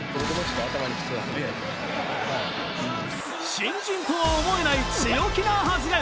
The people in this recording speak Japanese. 新人とは思えない強気な発言。